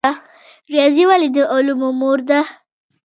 ریاضي ولې د علومو مور ده؟